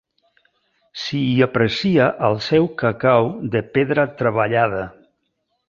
S'hi aprecia el seu cacau de pedra treballada.